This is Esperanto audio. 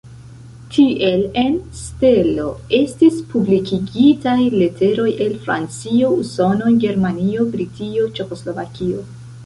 Tiel en "Stelo" estis publikigitaj leteroj el Francio, Usono, Germanio, Britio, Ĉeĥoslovakio.